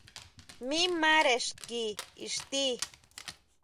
Mi mare xki ixti.